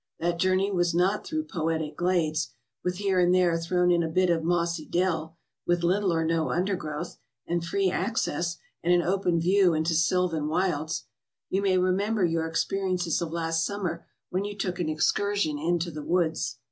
That journey was not through poetic glades, with here and there thrown in a bit of mossy dell, with little or no undergrowth, and free ac cess and an open view into sylvan wilds. You may re member your experiences of last summer when you took an excursion into the woods.